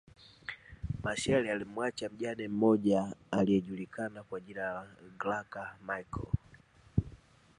Machel alimuacha mjane mmoja aliyejulikana kwa jina la Graca Michael